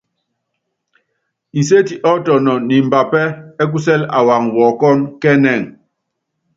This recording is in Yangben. Inséti ɔ́tɔnɔn ni imbapɛ́ ɛ́ kusɛ́l awaaŋ wɔɔkɔ́n kɛ́ ɛnɛ́ŋ.